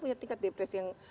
punya tingkat depresi yang